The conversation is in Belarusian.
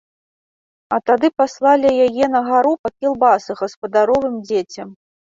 А тады паслалі яе на гару па кілбасы гаспадаровым дзецям.